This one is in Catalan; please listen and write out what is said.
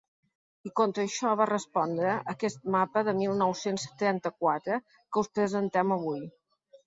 I contra això va respondre aquest mapa del mil nou-cents trenta-quatre que us presentem avui.